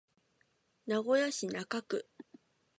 名古屋市中区